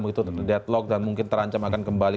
begitu deadlock dan mungkin terancam akan kembali